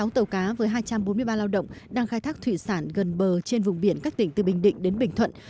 sáu tàu cá với hai trăm bốn mươi ba lao động đang khai thác thủy sản gần bờ trên vùng biển các tỉnh từ bình định đến bình thuận